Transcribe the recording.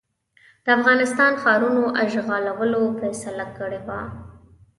د افغانستان ښارونو اشغالولو فیصله کړې وه.